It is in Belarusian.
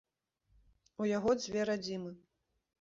У яго дзве радзімы.